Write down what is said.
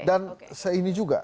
dan seini juga